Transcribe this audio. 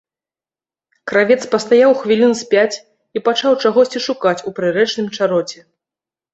Кравец пастаяў хвілін з пяць і пачаў чагосьці шукаць у прырэчным чароце.